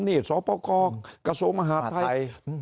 นี่สปกกระโสมหาไทย